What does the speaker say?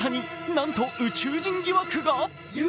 なんと宇宙人疑惑が。